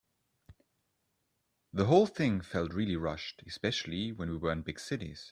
The whole thing felt really rushed, especially when we were in big cities.